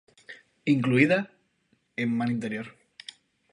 Incluida en "Mar Interior.